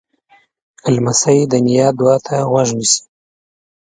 لمسی د نیا دعا ته غوږ نیسي.